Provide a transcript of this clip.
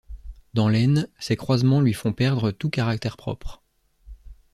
Dans l'Aisne, ces croisements lui font perdre tout caractère propre.